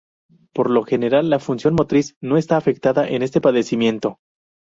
Por lo general, la función motriz no está afectada en este padecimiento.